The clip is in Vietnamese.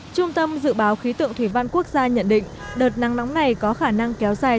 trung tâm dự báo khí tượng thủy văn quốc gia nhận định đợt nắng nóng này có khả năng kéo dài